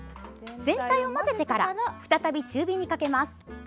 全体を混ぜてから再び中火にかけます。